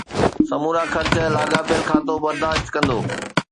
سمورا خرچ لاڳاپيل کاتو برداشت ڪندو.